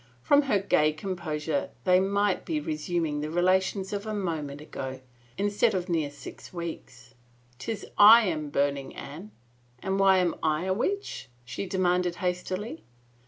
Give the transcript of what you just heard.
From her gay composure they might be resuming the relations of a moment ago, instead of near six weeks. " *Tis I am burning, Anne." " And why am I a witch ?" she demanded hastily.